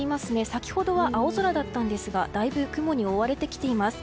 先ほどは青空でしたがだいぶ雲に覆われてきています。